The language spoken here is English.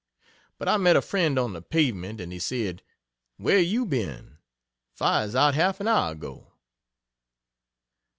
But I met a friend on the pavement, and he said, "Where you been? Fire's out half an hour ago."